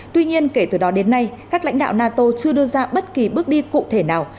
tuy nhiên kể từ đó đến nay các lãnh đạo nato chưa đưa ra bất kỳ bước đi cụ thể nào